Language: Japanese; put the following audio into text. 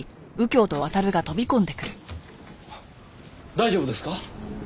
大丈夫ですか？